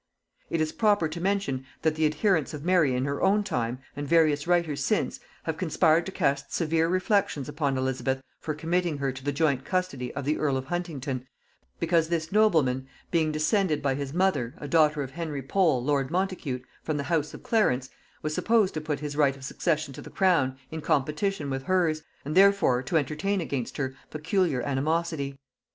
It is proper to mention, that the adherents of Mary in her own time, and various writers since, have conspired to cast severe reflections upon Elizabeth for committing her to the joint custody of the earl of Huntingdon, because this nobleman, being descended by his mother, a daughter of Henry Pole lord Montacute, from the house of Clarence, was supposed to put his right of succession to the crown in competition with hers, and therefore to entertain against her peculiar animosity.